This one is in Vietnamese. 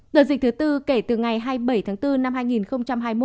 đợt dịch thứ tư kể từ ngày hai mươi bảy tháng bốn năm hai nghìn hai mươi một